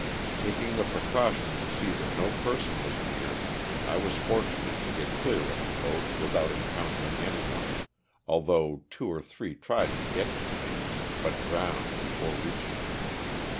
Taking the precaution to see that no person was near I was fortunate to get clear of the boat without encountering anyone, although two or three tried to get to me, but drowned before reaching me.